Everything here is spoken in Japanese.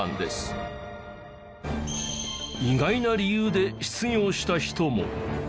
意外な理由で失業した人も。